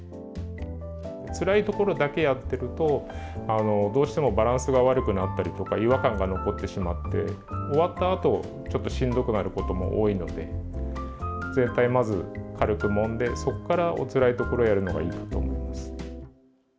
つらいところだけやっているとどうしてもバランスが悪くなったりとか違和感が残ってしまって終わったあとしんどくなることも多いので全体、まず軽くもんでそこからおつらいところをやるのがいいと思います。